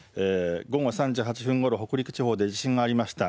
午後３時８分ごろ北陸地方で地震がありました。